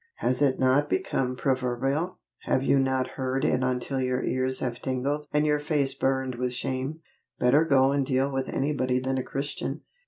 Has it not become proverbial have you not heard it until your ears have tingled, and your face burned with shame "Better go and deal with anybody than a Christian"?